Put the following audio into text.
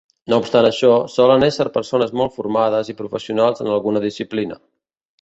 No obstant això, solen ésser persones molt formades i professionals en alguna disciplina.